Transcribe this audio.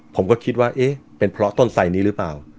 ผมก็คิดว่าเอ๊ะเป็นเพราะต้นไสนี้หรือเปล่า